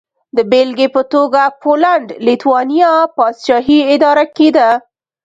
د بېلګې په توګه پولنډ-لېتوانیا پاچاهي اداره کېده.